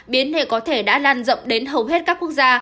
biến thể có thể đã lan rộng đến hầu hết các quốc gia